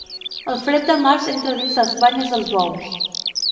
El fred de març entra dins les banyes dels bous.